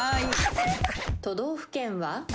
都道府県は？